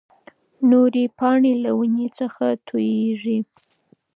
نورې پاڼې له ونې څخه تويېږي.